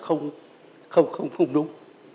có bao giờ mà không đúng